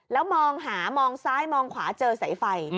แล้วมองหามองซ้ายมองขวาเจอสายไฟ